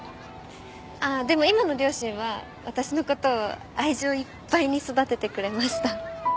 あっでも今の両親は私の事を愛情いっぱいに育ててくれました。